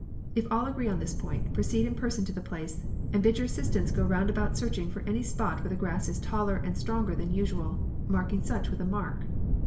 If all agree on this point, proceed in person to the place, and bid your assistants go round about searching for any spots where the grass is taller and stronger than usual, marking such with a mark.